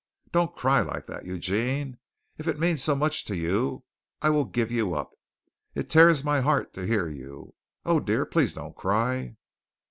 Don't cry like that, Eugene. If it means so much to you, I will give you up. It tears my heart to hear you. Oh, dear, please don't cry."